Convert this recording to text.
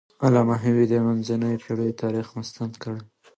علامه حبيبي د منځنیو پېړیو تاریخ مستند کړی دی.